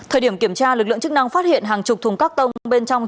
thời điểm kiểm tra lực lượng chức năng phát hiện hàng chục thùng các tông bên trong